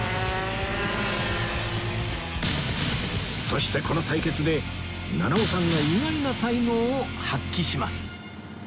そしてこの対決で菜々緒さんが意外な才能を発揮します